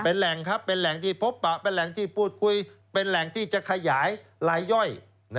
เป็นแหล่งครับเป็นแหล่งที่พบปะเป็นแหล่งที่พูดคุยเป็นแหล่งที่จะขยายลายย่อย